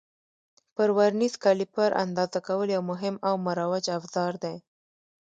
پر ورنیز کالیپر اندازه کول یو مهم او مروج افزار دی.